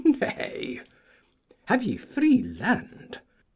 Nay Have ye free land?